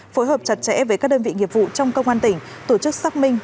phối hợp chặt chẽ với các đơn vị nghiệp vụ trong công an tỉnh tổ chức xác minh